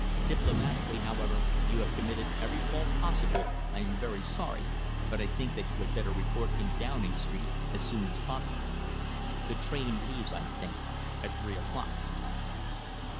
Diplomatically, however, you have committed every fault possible, I am very sorry, but I think that you had better report in Downing Street as soon as possible. The train leaves, I think, at three o'clock."